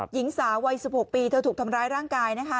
หญิงสาววัย๑๖ปีเธอถูกทำร้ายร่างกายนะคะ